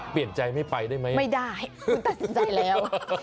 เปลี่ยนใจไม่ไปได้ไหมไม่ได้คุณตัดสินใจแล้ว